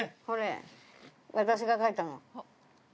これ、私が描いたの。